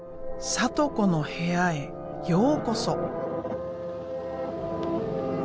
サト子の部屋へようこそ。